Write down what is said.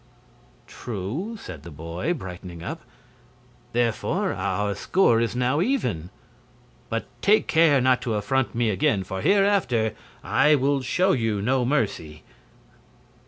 "True," said the boy, brightening up; "therefore our score is now even. But take care not to affront me again, for hereafter I will show you no mercy!"